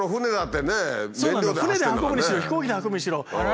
船で運ぶにしろ飛行機で運ぶにしろ。